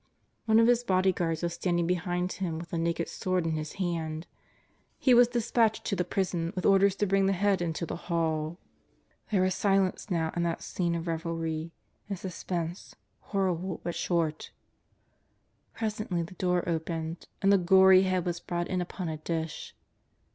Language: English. One of his bodyguard was standing behind him with a naked sword in his hand. lie was despatched to the prison with orders to bring the head into the hall. There was silence now in that scene of revelry, and suspense, horrible but short. Presently the door re opened, and the gory head was brought in upon a dish.